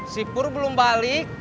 si pur belum balik